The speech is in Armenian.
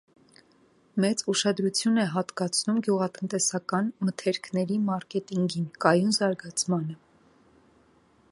Մեծ ուշադրություն է հատկացնում գյուղատնտեսական մթերքների մարկետինգին, կայուն զարգացմանը։